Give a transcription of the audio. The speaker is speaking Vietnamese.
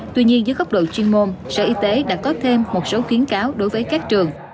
tuy nhiên dưới góc độ chuyên môn sở y tế đã có thêm một số kiến cáo đối với các trường